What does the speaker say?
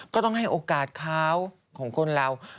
ก็ต้องให้โอกาสเขาของคนเรา